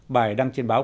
bài đăng trên báo